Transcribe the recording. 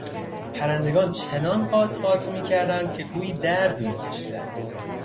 پرندگان چنان قات قات میکردند که گویی درد میکشیدند.